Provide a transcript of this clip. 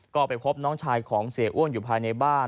ก็ไปพบน้องชายของเสียอ้วนอยู่ภายในบ้าน